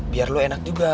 biar lo enak juga